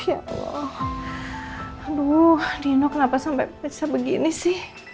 aduh dino kenapa sampai bisa begini sih